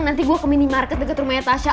nanti gue ke minimarket deket rumahnya tasya